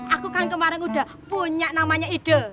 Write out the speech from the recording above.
aku kan kemarin udah punya namanya ide